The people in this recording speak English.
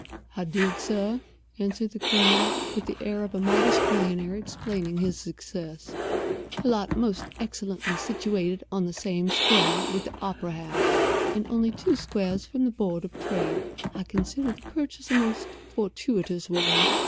"I did, sir," answered the Colonel, with the air of a modest millionaire explaining his success; "a lot most excellently situated on the same square with the opera house, and only two squares from the board of trade. I consider the purchase a most fortuitous one.